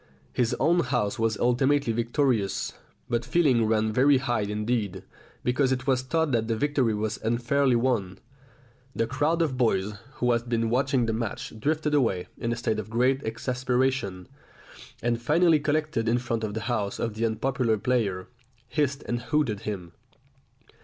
His own house was ultimately victorious, but feeling ran very high indeed, because it was thought that the victory was unfairly won. The crowd of boys who had been watching the match drifted away in a state of great exasperation, and finally collected in front of the house of the unpopular player, hissed and hooted him.